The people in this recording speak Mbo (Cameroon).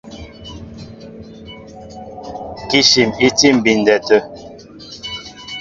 Kíshim í tí á mbindɛ tê.